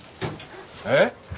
えっ！？